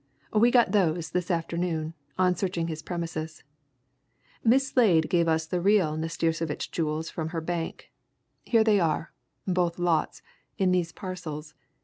We got those this afternoon, on searching his premises; Miss Slade gave us the real Nastirsevitch jewels from her bank. Here they are both lots, in these parcels.